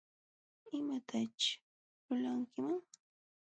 ¿Imataćh lulankiman?